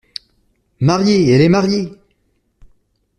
Mariée !… elle est mariée !